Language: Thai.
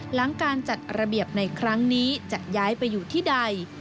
หลังการจัดระเบียบในครั้งนี้จะย้ายไปอยู่ที่ใด